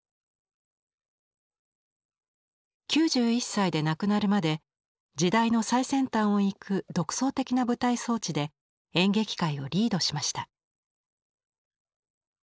９１歳で亡くなるまで時代の最先端を行く独創的な舞台装置で演劇界をリードしました。